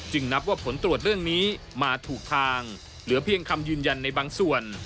นับว่าผลตรวจเรื่องนี้มาถูกทางเหลือเพียงคำยืนยันในบางส่วน